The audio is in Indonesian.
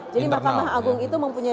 jadi mahkamah agung itu mempunyai